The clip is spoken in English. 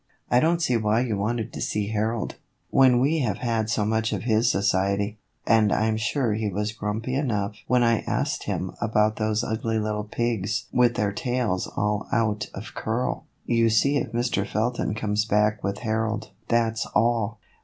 I don't see why you wanted to see Harold, when we have had so much of his society, and I 'm sure he was grumpy enough when I asked him about those ugly little pigs with their tails all out of curl. You see if Mr. Felton comes back with Harold, that's all.